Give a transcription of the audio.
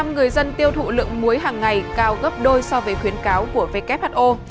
năm mươi người dân tiêu thụ lượng muối hàng ngày cao gấp đôi so với khuyến cáo của who